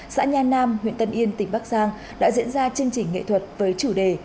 xã nha nam huyện tân yên tỉnh bắc giang đã diễn ra chương trình nghệ thuật với chủ đề